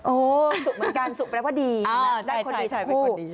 โอ้สู่เหมือนกันสู่แปลว่าดีได้คู่